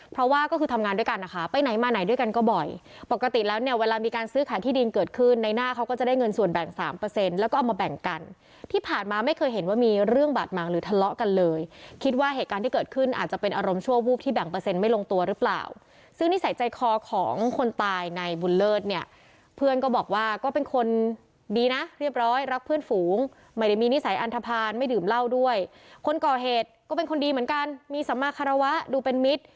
เพราะว่าก็คือทำงานด้วยกันนะคะไปไหนมาไหนด้วยกันก็บ่อยปกติแล้วเนี่ยเวลามีการซื้อขายที่ดินเกิดขึ้นในหน้าเขาก็จะได้เงินส่วนแบ่งสามเปอร์เซ็นต์แล้วก็เอามาแบ่งกันที่ผ่านมาไม่เคยเห็นว่ามีเรื่องบาดมังหรือทะเลาะกันเลยคิดว่าเหตุการณ์ที่เกิดขึ้นอาจจะเป็นอารมณ์ชั่ววูบที่แบ่งเปอร์เซ็นต